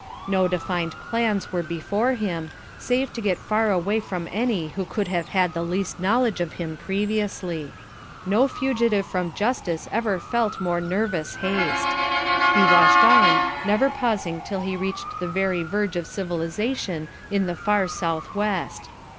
No defined plans were before him, save to get far away from any who could have had the least knowledge of him previously. No fugitive from justice ever felt more nervous haste. He pushed on, never pausing till he reached the very verge of civilisation in the far south west.